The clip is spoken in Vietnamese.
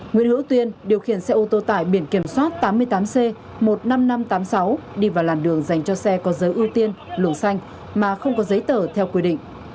nguyễn hữu tuyên điều khiển xe ô tô tải biển kiểm soát tám mươi tám c một mươi năm nghìn năm trăm tám mươi sáu đi vào làn đường dành cho xe có giới ưu tiên luồng xanh mà không có giấy tờ theo quy định